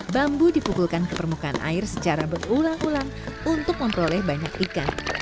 bambu dipukulkan ke permukaan air secara berulang ulang untuk memperoleh banyak ikan